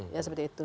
ya seperti itu